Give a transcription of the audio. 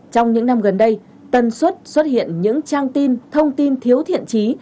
trong những năm gần đây tần suất xuất hiện những trang tin thông tin thiếu thiện trí